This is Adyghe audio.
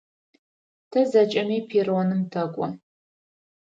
Тэ зэкӏэми перроным тэкӏо.